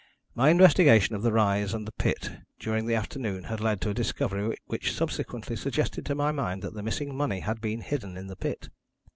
My investigation of the rise and the pit during the afternoon had led to a discovery which subsequently suggested to my mind that the missing money had been hidden in the pit.